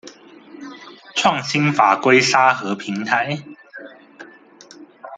創新法規沙盒平台